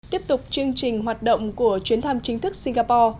tiếp tục chương trình hoạt động của chuyến thăm chính thức singapore